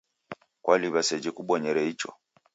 Kwaliw'a sejhi kubonyere icho?